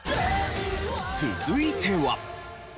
続いては。